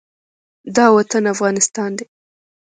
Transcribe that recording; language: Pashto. دا وطن افغانستان دى.